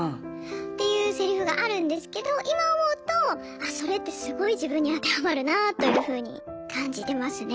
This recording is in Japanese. っていうセリフがあるんですけど今思うとあそれってすごい自分に当てはまるなというふうに感じてますね。